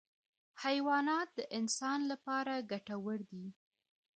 حیوانات د انسان لپاره ګټور دي.